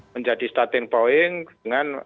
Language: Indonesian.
menjadi starting point dengan